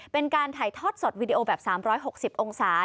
เป็นการถ่ายทอดสดวีดีโอแบบ๓๖๐องศา